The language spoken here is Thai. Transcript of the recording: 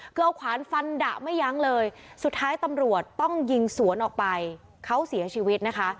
คือเอาขวานฟันดะไม่ยั้งเลยสุดท้ายตำรวจต้องยิงสวนออกไปเขาเสียชีวิตนะคะ